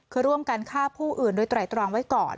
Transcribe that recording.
คือร่วมกันฆ่าผู้อื่นโดยไตรตรองไว้ก่อน